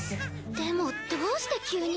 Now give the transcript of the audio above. でもどうして急に？